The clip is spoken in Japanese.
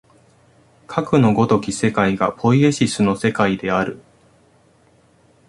かくの如き世界がポイエシスの世界である。